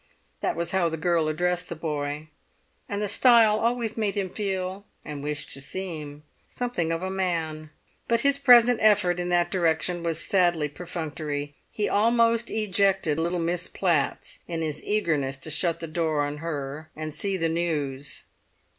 That was how the girl addressed the boy, and the style always made him feel, and wish to seem, something of a man. But his present effort in that direction was sadly perfunctory: he almost ejected little Miss Platts in his eagerness to shut the door on her and see the news.